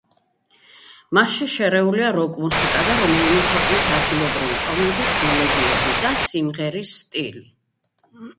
მასში შერეულია როკ-მუსიკა და რომელიმე ქვეყნის ადგილობრივი ტომების მელოდიები და სიმღერის სტილი.